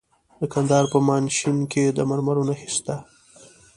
د کندهار په میانشین کې د مرمرو نښې شته.